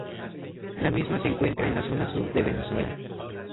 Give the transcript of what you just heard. La misma se encuentra en la zona sur de Venezuela.